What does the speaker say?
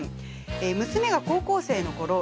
娘が高校生のころ